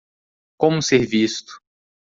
Como ser visto